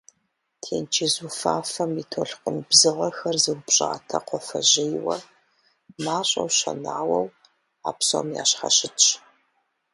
Тенджыз уфафэм и толъкъун бзыгъэхэр зыупщӏатэ кхъуафэжьейуэ, мащӏэу щэнауэу, а псом ящхьэщытщ.